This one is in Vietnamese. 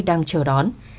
đang chờ đón